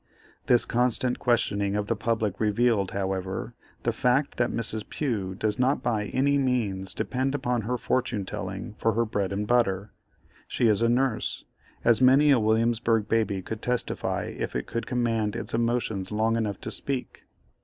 This constant questioning of the public revealed, however, the fact that Mrs. Pugh does not by any means depend upon her fortune telling for her bread and butter; she is a nurse, as many a Williamsburgh baby could testify if it could command its emotions long enough to speak.